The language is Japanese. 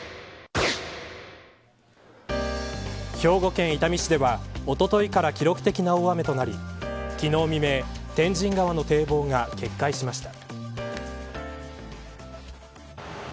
兵庫県伊丹市では、おとといから記録的な大雨となり昨日未明天神川の堤防が決壊しました。